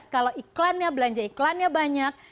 kalau iklannya belanja iklannya banyak